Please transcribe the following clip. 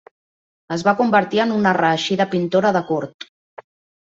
Es va convertir en una reeixida pintora de cort.